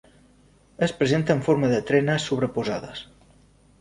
Es presenta en forma de trenes sobreposades.